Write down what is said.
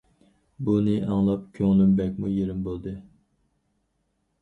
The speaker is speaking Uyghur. بۇنى ئاڭلاپ كۆڭلۈم بەكمۇ يېرىم بولدى.